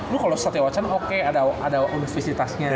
lu kalo satya wacana oke ada universitasnya